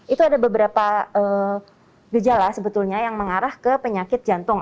itu ada beberapa gejala sebetulnya yang mengarah ke penyakit jantung